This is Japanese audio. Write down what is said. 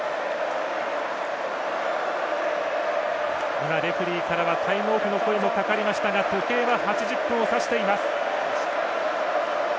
今、レフリーからはタイムオフの声もかかりましたが時計は８０分を指しています。